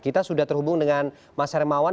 kita sudah terhubung dengan mas hermawan